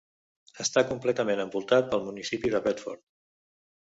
Està completament envoltat pel municipi de Bedford.